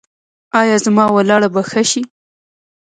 ایا زما ولاړه به ښه شي؟